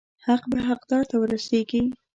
حق به حقدار ته ورسیږي.